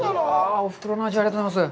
おふくろの味、ありがとうございます。